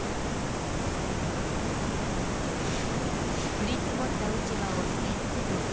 降り積もった落ち葉をせっせとかき集めます。